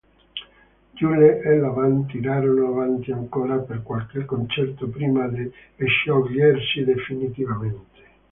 Yule e la band tirarono avanti ancora per qualche concerto prima di sciogliersi definitivamente.